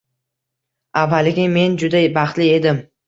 Avvaliga men juda baxtli edim